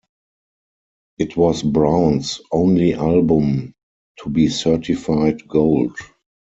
It was Brown's only album to be certified gold.